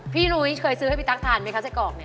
นุ้ยเคยซื้อให้พี่ตั๊กทานไหมคะไส้กรอกเนี่ย